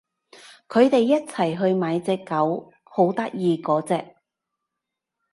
佢哋一齊去買隻狗，好得意嗰隻